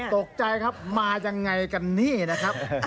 ตกใจครับมายังไงกันนี่นะครับ